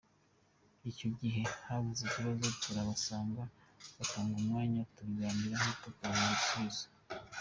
Igihe cyose havutse ikibazo turabasanga bagatanga umwanya tukabiganiraho tukabona igisubizo.